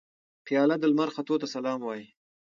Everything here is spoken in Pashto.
پیاله د لمر ختو ته سلام وايي.